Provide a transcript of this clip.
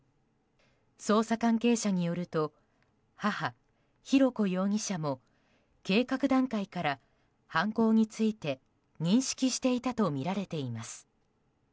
捜査関係者によると母・浩子容疑者も計画段階から犯行について認識していたとみられています。